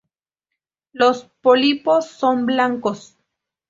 Los pólipos son blancos.